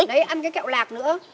đấy ăn cái kẹo lạc nữa